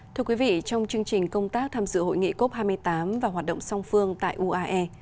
thưa quý vị trong chương trình công tác tham dự hội nghị cop hai mươi tám và hoạt động song phương tại uae